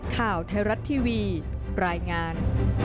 ข่าวไทยรัฐทีวีรายงาน